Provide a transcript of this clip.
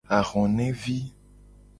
Ahonevi.